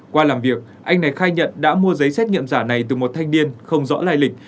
qua làm việc anh này khai nhận đã mua giấy xét nghiệm giả này từ một thanh niên không rõ lai lịch